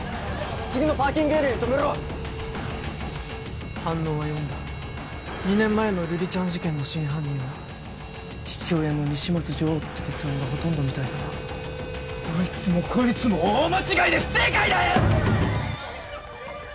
次のパーキングエリアに止めろ反応は読んだ２年前の瑠璃ちゃん事件の真犯人は父親の西松譲って結論がほとんどみたいだなどいつもこいつも大間違いで不正解だよ！